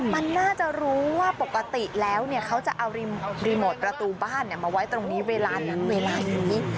มันน่าจะรู้ว่าปกติแล้วเขาจะเอารีโมทประตูบ้านมาไว้ตรงนี้เวลานั้นเวลานี้